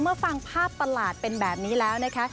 เมื่อฟังภาพตลาดเป็นแบบนี้แล้วนะคะ